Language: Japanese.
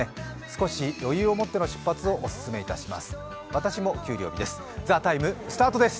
少し余裕を持っての出発をお勧めします。